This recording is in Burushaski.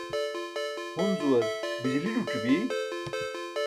hunzuar bijili zuc̣i bi